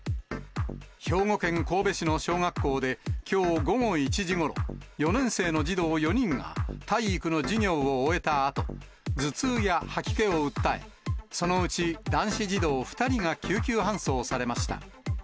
兵庫県神戸市の小学校できょう午後１時ごろ、４年生の児童４人が体育の授業を終えたあと、頭痛や吐き気を訴え、そのうち男子児童２人が救急搬送されました。